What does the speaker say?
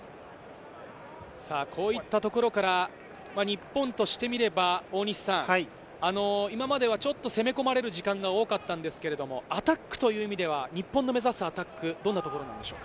こういったところから、日本としてみれば、今まではちょっと攻め込まれる時間が多かったんですけど、アタックという意味では日本の目指すアタック、どんなところなんでしょう？